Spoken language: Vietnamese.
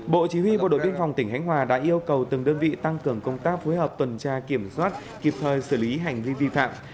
bộ chỉ huy bộ đội biên phòng tỉnh khánh hòa đã yêu cầu từng đơn vị tăng cường công tác phối hợp tuần tra kiểm soát kịp thời xử lý hành vi vi phạm